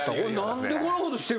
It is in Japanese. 何でこんなことしてるんやと。